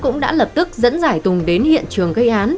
cũng đã lập tức dẫn giải tùng đến hiện trường gây án